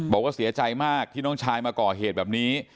บอกว่าเสียใจมากที่น้องชายมาก่อเหตุแบบนี้